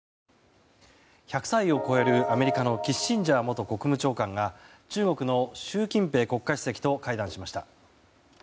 １００歳を超えるアメリカのキッシンジャー元国務長官が中国の習近平国家主席と会談しました。